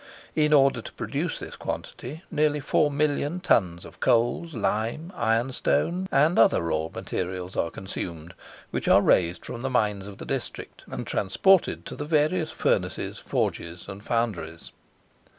In order to produce this quantity, nearly 4,000,000 tons of coals, lime, ironstone, and other raw materials are consumed, which are raised from the mines of the district, and transported to the various furnaces, forges and founderies.